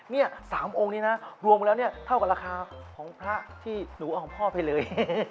นี่๓องค์นี้นะรวมแล้วเนี่ยเท่ากับราคาของพระที่หนูเอาของพ่อไปเลย